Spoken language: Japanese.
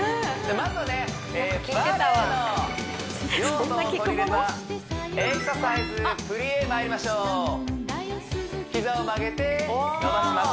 まずはねバレエの要素を取り入れたエクササイズプリエまいりましょう膝を曲げて伸ばします